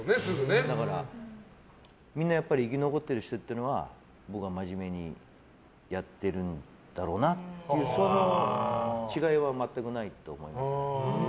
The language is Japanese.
だから、みんなやっぱり生き残ってる人というのは僕は真面目にやってるんだろうなっていうそこの違いは全くないと思います。